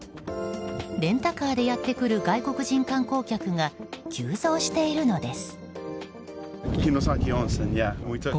レンタカーでやってくる外国人観光客が急増しているのです。